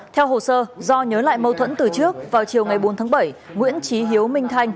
theo hồ sơ do nhớ lại mâu thuẫn từ trước vào chiều ngày bốn tháng bảy nguyễn trí hiếu minh thanh